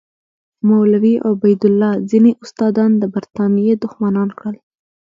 مولوي عبیدالله ځینې استادان د برټانیې دښمنان کړل.